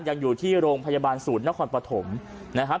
ยังอยู่ที่โรงพยาบาลศูนย์นครปฐมนะครับ